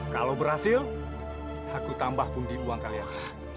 kalau berhasil aku tambah bungi uang kalian